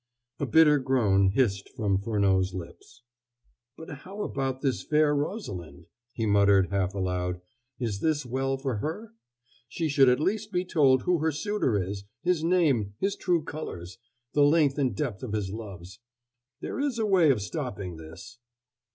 A bitter groan hissed from Furneaux's lips. "But how about this fair Rosalind?" he muttered half aloud. "Is this well for her? She should at least be told who her suitor is his name his true colors the length and depth of his loves. There is a way of stopping this...."